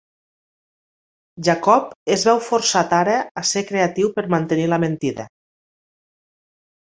Jacob es veu forçat ara a ser creatiu per mantenir la mentida.